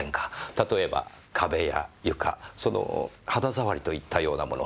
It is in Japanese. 例えば壁や床その肌触りといったようなもの。